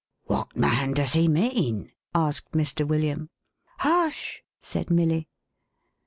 ™ "What man does he mean?1'1 asked Mr. William. "Hush!" said Milly.